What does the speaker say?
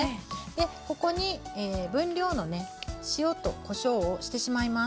ここに分量のね塩とこしょうをしてしまいます。